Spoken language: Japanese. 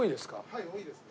はい多いですね。